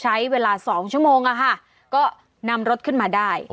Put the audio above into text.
ใช้เวลา๒ชั่วโมงก็นำรถขึ้นมาได้